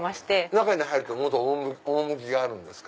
中に入るともっと趣があるんですか？